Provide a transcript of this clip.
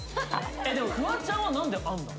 でもフワちゃんは何であるんだ？